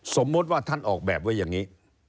สมมุติว่าท่านออกแบบไว้อย่างนี้